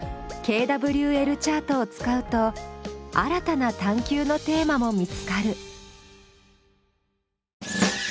ＫＷＬチャートを使うと新たな探究のテーマも見つかる。